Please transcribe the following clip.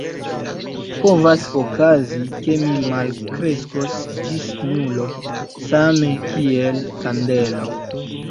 Povas okazi ke mi malkreskos ĝis nulo, same kiel kandelo.